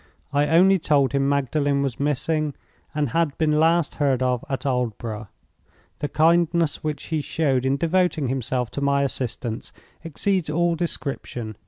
I only told him Magdalen was missing, and had been last heard of at Aldborough. The kindness which he showed in devoting himself to my assistance exceeds all description.